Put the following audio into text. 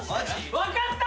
分かった！